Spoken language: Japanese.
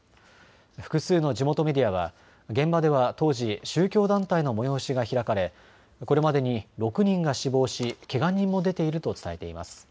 複数の地元メディアは現場では当時、宗教団体の催しが開かれこれまでに６人が死亡しけが人も出ていると伝えています。